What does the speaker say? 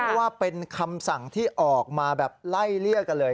เพราะว่าเป็นคำสั่งที่ออกมาแบบไล่เลี่ยกันเลย